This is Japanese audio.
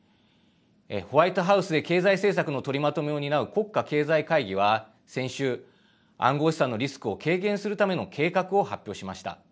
ホワイトハウスで経済政策の取りまとめを担う国家経済会議は先週暗号資産のリスクを軽減するための計画を発表しました。